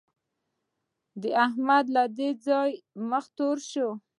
د احمد له دې ځايه مخ تور شو.